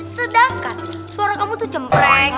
sedangkan suara kamu tuh cempreng